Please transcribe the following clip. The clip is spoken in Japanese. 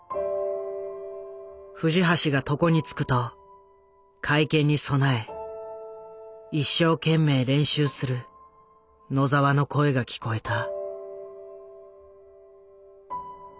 藤橋が床に就くと会見に備え一生懸命練習する野澤の声が聞こえた。